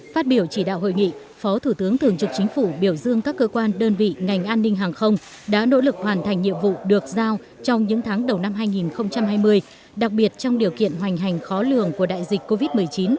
phát biểu chỉ đạo hội nghị phó thủ tướng thường trực chính phủ biểu dương các cơ quan đơn vị ngành an ninh hàng không đã nỗ lực hoàn thành nhiệm vụ được giao trong những tháng đầu năm hai nghìn hai mươi đặc biệt trong điều kiện hoành hành khó lường của đại dịch covid một mươi chín